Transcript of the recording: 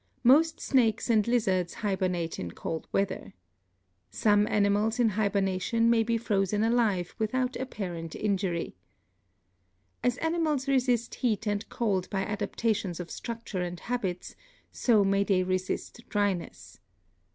Most snakes and lizards hibernate in cold weather. Some animals in hibernation may be frozen alive without apparent injury. As animals resist heat and cold by adaptations of structure and habits, so may they resist dryness.